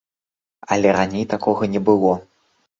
Але раней такога не было.